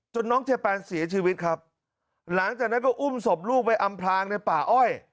น้องเจแปนเสียชีวิตครับหลังจากนั้นก็อุ้มศพลูกไปอำพลางในป่าอ้อย